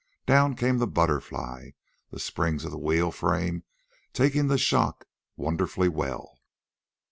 Down came the BUTTERFLY, the springs of the wheel frame taking the shock wonderfully well.